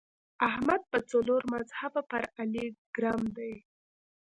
احمد په څلور مذهبه پر علي ګرم دی.